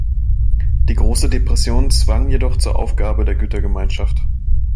Die Große Depression zwang jedoch zur Aufgabe der Gütergemeinschaft.